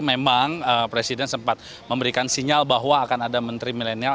memang presiden sempat memberikan sinyal bahwa akan ada menteri milenial